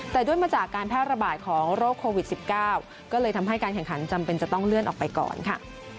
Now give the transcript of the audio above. แต่ด้วยมาจากการแพร่ระบาดของโรคโควิด๑๙ก็เลยทำให้การแข่งขันจำเป็นจะต้องเลื่อนออกไปก่อนค่ะ